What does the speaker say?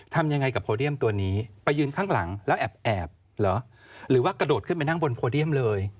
ทำยังไงกับโพเดียมตัวนี้ไปยืนข้างหลังแล้วแอบเหรอหรือว่ากระโดดขึ้นไปนั่งบนโพเดียมเลย